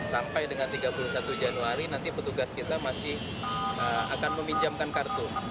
sampai dengan tiga puluh satu januari nanti petugas kita masih akan meminjamkan kartu